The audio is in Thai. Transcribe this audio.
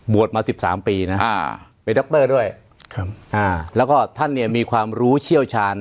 มาสิบสามปีนะอ่าเป็นดรด้วยครับอ่าแล้วก็ท่านเนี่ยมีความรู้เชี่ยวชาญ